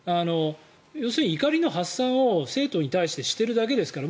要するに怒りの発散を生徒に対してしているだけですから。